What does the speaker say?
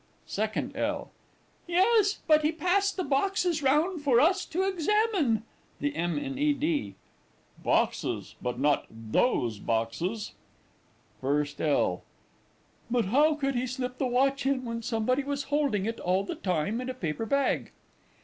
SECOND L. Yes, but he passed the boxes round for us to examine. THE M. IN E. D. Boxes but not those boxes. FIRST L. But how could he slip the watch in when somebody was holding it all the time in a paper bag?